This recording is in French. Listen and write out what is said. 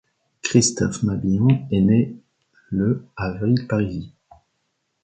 Christophe Mabillon est né le à Villeparisis.